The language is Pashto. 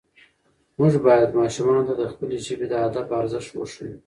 موږ باید ماشومانو ته د خپلې ژبې د ادب ارزښت وښیو